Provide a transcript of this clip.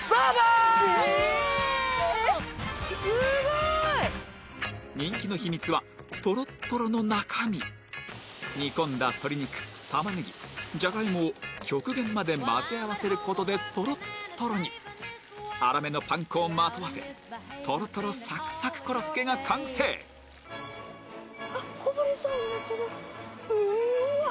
すごーい人気の秘密はトロットロの中身煮込んだ鶏肉玉ねぎジャガイモを極限まで混ぜ合わせることでトロットロにあら目のパン粉をまとわせトロトロサクサクコロッケが完成あっこぼれそうな